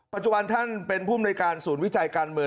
ปัจจุบันท่านเป็นผู้มนุยการศูนย์วิจัยการเมือง